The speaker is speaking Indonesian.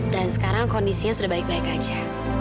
dan sekarang kondisinya sudah baik baik aja